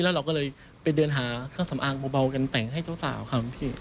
แล้วเราก็เลยไปเดินหาเครื่องสำอางเบากันแต่งให้เจ้าสาวครับพี่